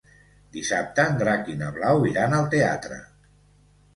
Dissabte en Drac i na Blau iran al teatre.